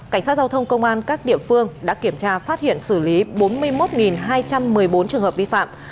cảnh sát giao thông công an các địa phương đã kiểm tra phát hiện xử lý bốn mươi một hai trăm một mươi bốn trường hợp vi phạm